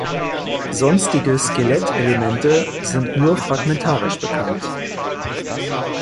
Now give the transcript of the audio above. Sonstige Skelettelemente sind nur fragmentarisch bekannt.